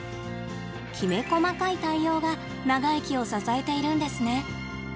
きめ細かい対応が長生きを支えているんですね。